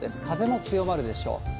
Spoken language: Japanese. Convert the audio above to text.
風も強まるでしょう。